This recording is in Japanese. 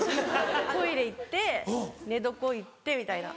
トイレ行って寝床行ってみたいな。